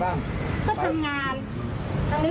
มันเป็นงานที่ต้องทำเรื่องกันถูกไหม